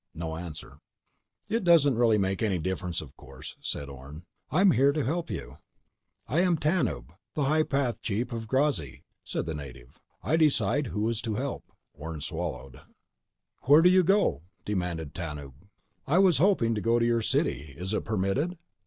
No answer. "It doesn't really make any difference, of course," said Orne. "I'm here to help you." "I am Tanub, High Path Chief of the Grazzi," said the native. "I decide who is to help." Orne swallowed. "Where do you go?" demanded Tanub. "I was hoping to go to your city. Is it permitted?"